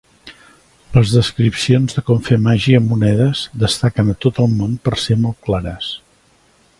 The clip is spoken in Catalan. Les descripcions de com fer màgia amb monedes destaquen a tot el món per ser molt clares.